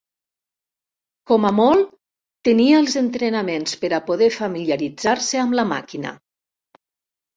Com a molt, tenia els entrenaments per a poder familiaritzar-se amb la màquina.